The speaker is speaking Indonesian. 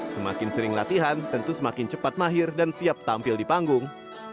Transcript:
semakin sering latihan tentu semakin cepat mahir dan siap tampil di panggung